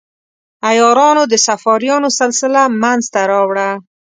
عیارانو د صفاریانو سلسله منځته راوړه.